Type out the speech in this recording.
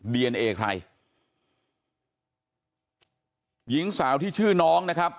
ดีเอนเอใครหญิงสาวที่ชื่อน้องนะครับ